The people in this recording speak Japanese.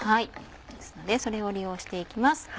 ですのでそれを利用していきます。